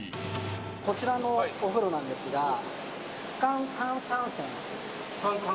こちらのお風呂なんですが、不感炭酸泉。